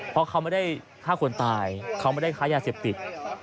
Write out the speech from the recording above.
เพราะเขาไม่ได้ฆ่าคนตายเขาไม่ได้ค้ายาเสพติด